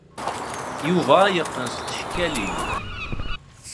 Yuba yeqqen s tcekkalin.